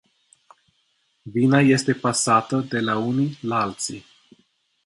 Vina este pasată de la unii la alții.